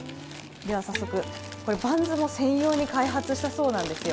では早速、バンズも専用に開発したそうなんですよ。